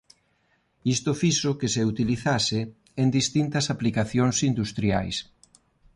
Isto fixo que se utilizase en distintas aplicacións industriais.